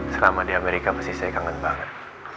selama di amerika pasti saya kangen banget